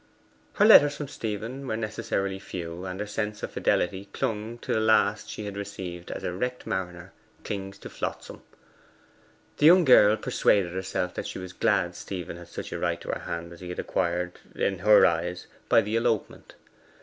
Her letters from Stephen were necessarily few, and her sense of fidelity clung to the last she had received as a wrecked mariner clings to flotsam. The young girl persuaded herself that she was glad Stephen had such a right to her hand as he had acquired (in her eyes) by the elopement.